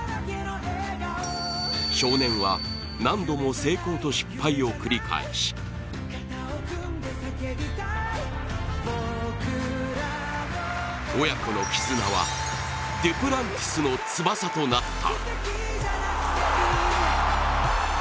少年は何度も成功と失敗を繰り返し親子の絆は、デュプランティスの翼となった。